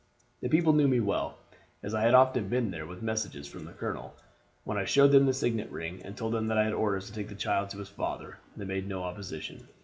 The people knew me well, as I had often been there with messages from the colonel. When I showed them the signet ring, and told them that I had orders to take the child to his father, they made no opposition.